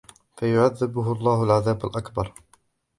فَيُعَذِّبُهُ اللَّهُ الْعَذَابَ الْأَكْبَرَ